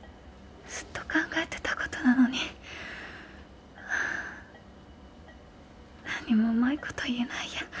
ずっと考えてたことなのに何にもうまいこと言えないや。